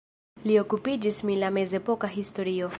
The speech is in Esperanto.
Li okupiĝis mi la mezepoka historio.